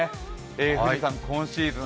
富士山、今シーズン